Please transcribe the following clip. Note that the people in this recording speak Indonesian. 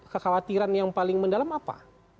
kekhawatiran yang paling mendalam apa